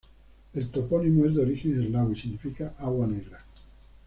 El topónimo es de origen eslavo y significa "agua negra".